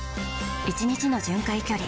１日の巡回距離